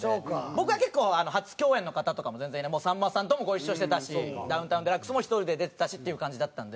僕は結構初共演の方とかも全然いないさんまさんともご一緒してたし『ダウンタウンＤＸ』も１人で出てたしっていう感じだったので。